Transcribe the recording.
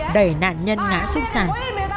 đẩy nạn nhân ngã xuống sàn